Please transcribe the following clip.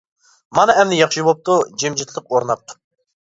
مانا ئەمدى ياخشى بوپتۇ، جىمجىتلىق ئورناپتۇ.